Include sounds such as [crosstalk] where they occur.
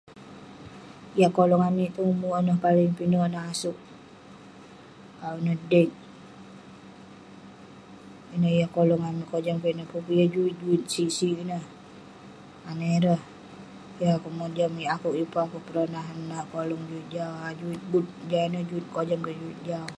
Yah kolong amik tong ume' ineh, paling pinek ineh asouk, awu ineh deg. Ineh yah kolong amik, kojam kek ineh [unintelligible] Pun peh yah juit- juit sig-sig ineh. Anah ireh. Yeng akouk mojam, akouk, yeng pun akouk peronah nat kolong [unintelligible] Jah ineh juit kojam kik, juit jau.